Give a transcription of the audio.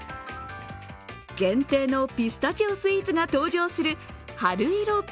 限定のピスタチオスイーツが登場するはるいろ